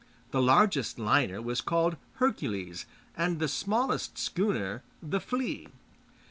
The largest liner was called Hercules, and the smallest schooner The Flea.